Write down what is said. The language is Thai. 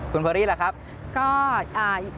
คุณเฮอร์รี่หรือครับ